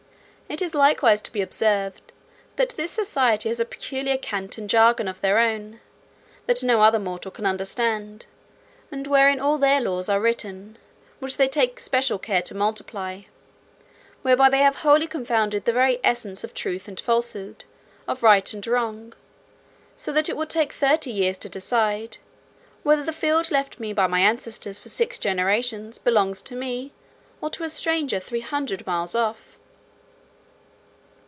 "It is likewise to be observed, that this society has a peculiar cant and jargon of their own, that no other mortal can understand, and wherein all their laws are written, which they take special care to multiply; whereby they have wholly confounded the very essence of truth and falsehood, of right and wrong; so that it will take thirty years to decide, whether the field left me by my ancestors for six generations belongs to me, or to a stranger three hundred miles off.